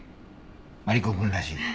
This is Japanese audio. マリコくんらしい。